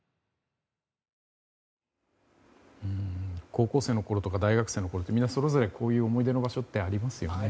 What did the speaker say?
高校生のころとか大学生のころってみんなそれぞれこういう思い出の場所ってありますよね。